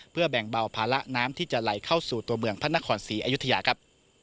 เพื่อแบ่งเบาภาระน้ำที่จะไหลเข้าสู่ตัวเมืองพระนครศรีอยุธยาครับ